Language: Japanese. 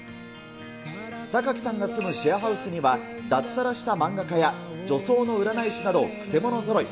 榊さんが住むシェアハウスには脱サラした漫画家や女装の占い師などくせ者ぞろい。